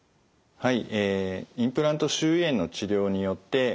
はい。